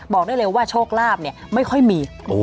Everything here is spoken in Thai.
บอกเร็วว่าโชคลาภเนี่ยไม่ค่อยมี